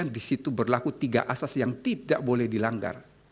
mengenai pembuktian disitu berlaku tiga asas yang tidak boleh dilanggar